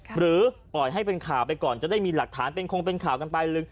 หรือปล่อยให้เป็นข่าวไปก่อนจะได้มีหลักฐานเป็นคงเป็นข่าวกันไป